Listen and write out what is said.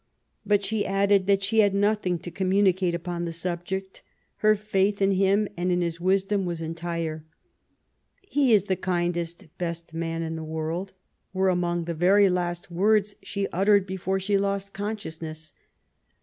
But she added that she had nothing to com municate upon the subject. Her faith in him and in his wisdom was entire. '* He is the kindest, best man in the world," were among the very last words she uttered before she lost consciousness.